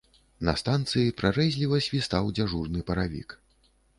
На станцыі прарэзліва свістаў дзяжурны паравік.